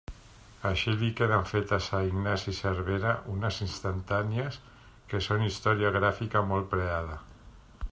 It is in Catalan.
Així li queden fetes a Ignasi Cervera unes instantànies que són història gràfica molt preada.